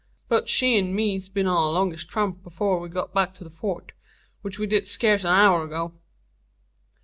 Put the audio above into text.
Both she 'nd me's been on a longish tramp afore we got back to the Fort; which we did scace a hour ago."